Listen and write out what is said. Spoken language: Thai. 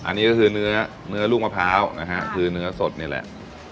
อันนี้ก็คือเนื้อเนื้อลูกมะพร้าวนะฮะคือเนื้อสดนี่แหละ